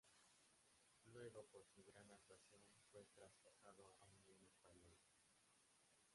Luego por su gran actuación fue traspasado a Unión Española.